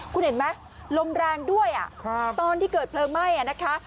คุณเห็นไหมลมแรงด้วยตอนที่เกิดเพลิงไหม้นะคะ